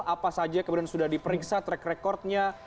apa saja kemudian sudah diperiksa track recordnya